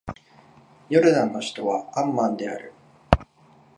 ヨルダンの首都はアンマンである